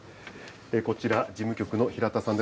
こちら、事務局の平田さんです。